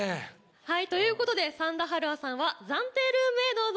はいということで三田春愛さんは暫定ルームへどうぞ。